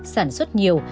sản xuất nhiều